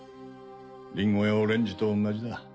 リンゴやオレンジと同じだ。